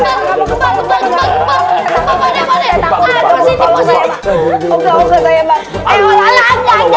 eh eh ya allah